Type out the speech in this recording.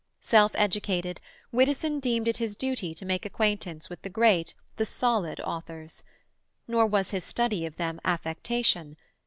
Self educated, Widdowson deemed it his duty to make acquaintance with the great, the solid authors. Nor was his study of them affectation.